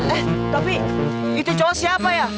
eh tapi itu cowok siapa ya